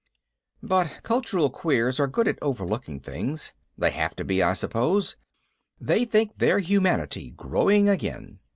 But cultural queers are good at overlooking things. They have to be, I suppose. They think they're humanity growing again.